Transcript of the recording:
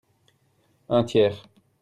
Un tiers.